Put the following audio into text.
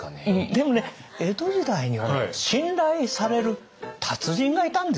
でもね江戸時代にはね信頼される達人がいたんですよ。